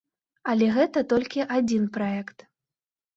Але гэта толькі адзін праект.